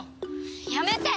やめて！